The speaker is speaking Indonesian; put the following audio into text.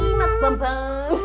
selamat mati mas bambang